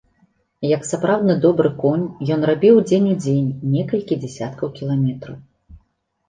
Як сапраўдны добры конь, ён рабіў дзень у дзень некалькі дзесяткаў кіламетраў.